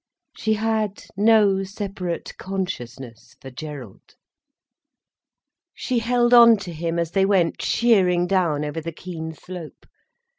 She had no separate consciousness for Gerald. She held on to him as they went sheering down over the keen slope.